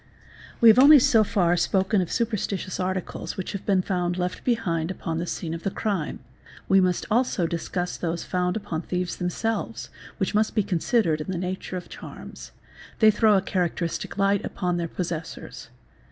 We have so far only spoken of superstitious articles which have been found left behind upon the scene of the crime, we must also discuss those found upon thieves themselves which must be considered in the nature of charms: they throw a characteristic hght upon their possessors.